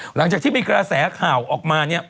หลังจากที่มีกระแสข่าวออกมาเนี่ย